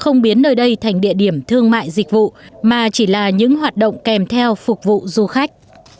không biến nơi đây thành địa điểm thương mại dịch vụ mà chỉ là những hoạt động kèm theo phục vụ du khách